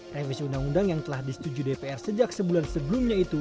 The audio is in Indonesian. revisi undang undang yang telah disetujui dpr sejak sebulan sebelumnya itu